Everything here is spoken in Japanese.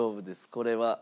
これは。